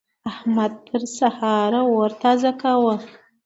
احمد تر سهار اور تازه کاوو.